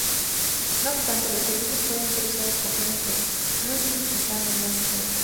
No obstante, los servicios pueden ser usados con fines de phishing usando enlaces web.